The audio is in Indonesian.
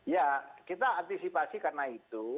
ya kita antisipasi karena itu